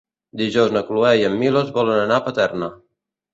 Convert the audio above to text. Dijous na Cloè i en Milos volen anar a Paterna.